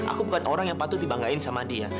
aku bukan orang yang patut dibanggain sama dia